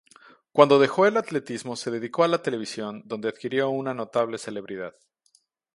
Cuando dejó el atletismo se dedicó a la televisión donde adquirió una notable celebridad.